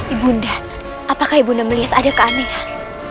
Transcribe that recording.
ibunda apakah ibunda melihat ada keanehan